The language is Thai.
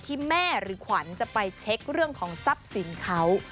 ที่แม่หรือขวัญจะไปเช็คเรื่องของทรัพย์สินเขา